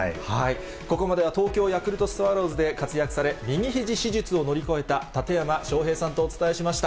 ここまでは東京ヤクルトスワローズで活躍され、右ひじ手術を乗り越えた、館山昌平さんとお伝えしました。